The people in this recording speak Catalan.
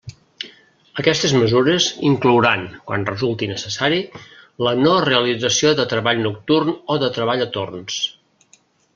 Aquestes mesures inclouran, quan resulti necessari, la no realització de treball nocturn o de treball a torns.